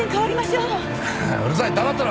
うるさい黙ってろ！